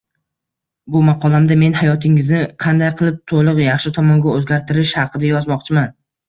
Bu maqolamda men hayotingizni qanday qilib to’liq yaxshi tomonga o’zgartirish haqida yozmoqchiman